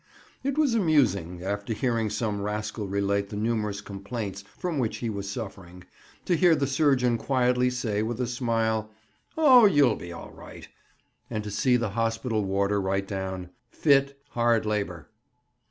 It was amusing, after hearing some rascal relate the numerous complaints from which he was suffering, to hear the surgeon quietly say with a smile, "Oh, you'll soon be all right," and to see the hospital warder write down, "Fit, hard labour."